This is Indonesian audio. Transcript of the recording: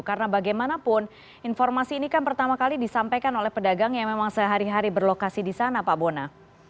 karena bagaimanapun informasi ini kan pertama kali disampaikan oleh pedagang yang memang sehari hari berlokasi di sana pak bona